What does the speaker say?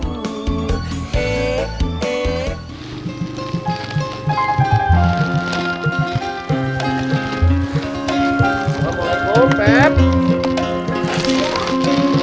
apa kabar pet